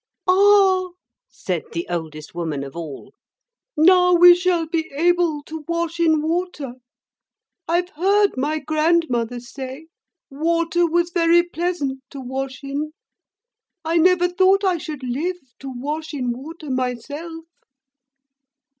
'Ah!' said the oldest woman of all, 'now we shall be able to wash in water. I've heard my grandmother say water was very pleasant to wash in. I never thought I should live to wash in water myself.'